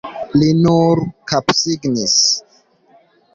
Li nur kapsignis.